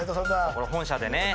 これ本社でね。